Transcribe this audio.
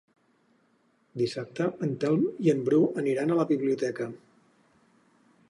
Dissabte en Telm i en Bru aniran a la biblioteca.